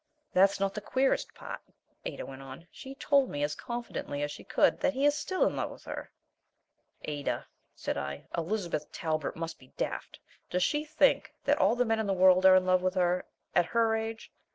"That's not the queerest part," Ada went on. "She told me as confidently as could be that he is still in love with her." "Ada," said I, "Elizabeth Talbert must be daft! Does she think that all the men in the world are in love with her at her age?